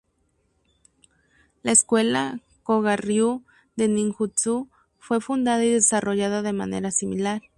La escuela Koga Ryu de Ninjutsu fue fundada y desarrollada de manera similar.